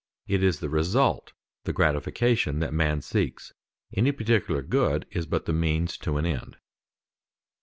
It is the result, the gratification, that man seeks: any particular good is but the means to an end.